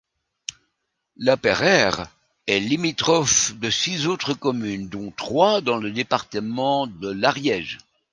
Lapeyrère est limitrophe de six autres communes dont trois dans le département de l'Ariège.